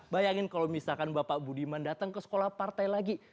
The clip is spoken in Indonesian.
bayangin kalau misalkan bapak budiman datang ke sekolah partai lagi